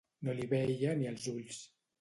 No li veia ni els ulls.